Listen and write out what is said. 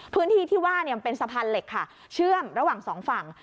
พื้นที่ที่ว่ามันเป็นสะพานเหล็กค่ะเชื่อมระหว่างสองฝั่ง